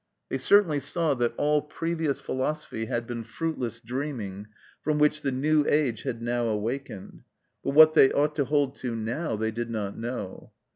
They certainly saw that all previous philosophy had been fruitless dreaming, from which the new age had now awakened, but what they ought to hold to now they did not know.